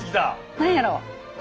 何やろ？